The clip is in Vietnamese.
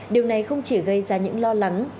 điều này không chỉ gây ra những lo lắng